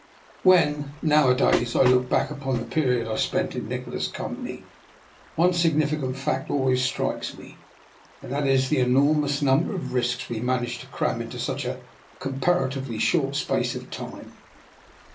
When, nowadays, I look back upon the period I spent in Nikola's company, one sig nificant fact always strikes me, and that is the enormous number of risks we managed to cram into such a comparatively short space of time.